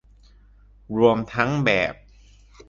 รวมทั้งแบบ